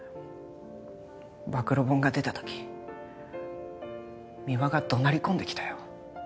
暴露本が出た時三輪が怒鳴り込んできたよ